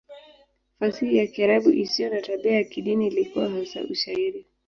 Fasihi ya Kiarabu isiyo na tabia ya kidini ilikuwa hasa Ushairi.